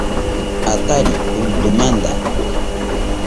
Atariy tulltumanta